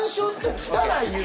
来たら言う。